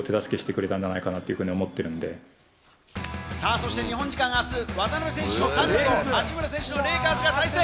そして日本時間あす、渡邊選手のサンズと八村選手のレイカーズが対戦。